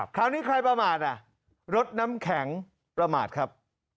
คราวนี้ใครประมาทรถน้ำแข็งประมาทครับ